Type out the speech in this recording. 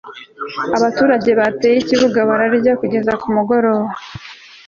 abaturage bateye ikibuga bararya kugeza nimugoroba